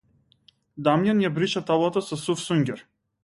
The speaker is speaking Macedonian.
Дамјан ја брише таблата со сув сунѓер.